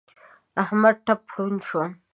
احمد ټپ ړوند شو.